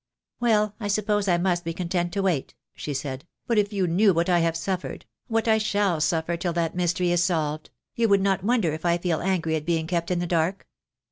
"Well, I suppose I must be content to wait," she said; "but if you knew what I have suffered — what I shall suffer till that mystery is solved — you would not wonder if I feel angry at being kept in the dark.